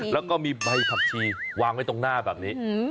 แล้วก็มีใบผักชีวางไว้ตรงหน้าแบบนี้